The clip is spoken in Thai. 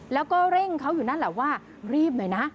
แล้วก็เร่งเขาอยู่นั่นแหละว่ารีบหน่อยนะ